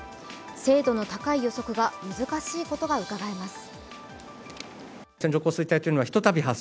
精度の高い予測が難しいことがうかがえます。